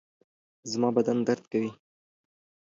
زما بدن درد کوي